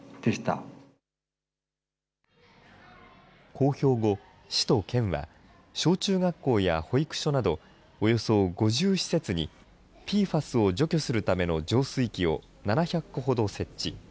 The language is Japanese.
公表後、市と県は小中学校や保育所など、およそ５０施設に、ＰＦＡＳを除去するための浄水器を７００個ほど設置。